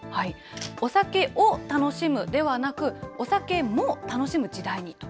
お酒を楽しむではなく、お酒も楽しむ時代にと。